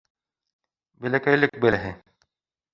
Бәләкәйлек бәләһе.